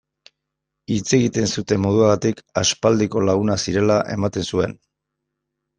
Hitz egiten zuten moduagatik aspaldiko lagunak zirela ematen zuen.